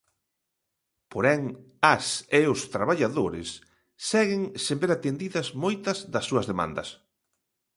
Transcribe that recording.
Porén, as e os traballadores seguen sen ver atendidas moitas das súas demandas.